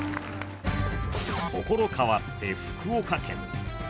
所変わって、福岡県。